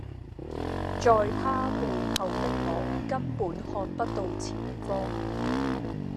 在他背後的我根本看不到前方